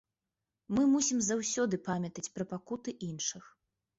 Мы мусім заўсёды памятаць пра пакуты іншых.